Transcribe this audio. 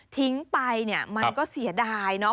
ทิ้งไปเนี่ยมันก็เสียดายเนาะ